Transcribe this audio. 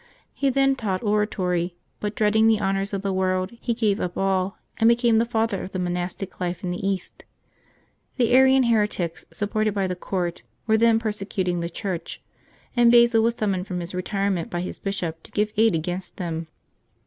He then taught oratory ; but dreading the honors of the world, he gave up all, and became the father of the monastic life in the East. The Arian heretics, supported by the court, were then perse cuting the Church; and. Basil was summoned from his retirement by his bishop to give aid against them.